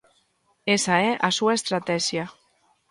Esa é a súa estratexia.